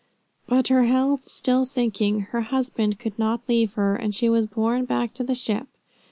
But her health still sinking, her husband could not leave her, and she was borne back to the ship.